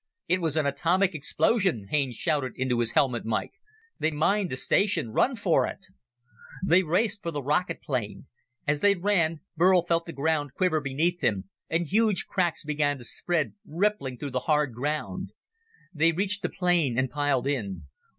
"It was an atomic explosion!" Haines shouted into his helmet mike. "They mined the station. Run for it!" They raced for the rocket plane. As they ran, Burl felt the ground quiver beneath him, and huge cracks began to spread, rippling through the hard ground. They reached the plane and piled in.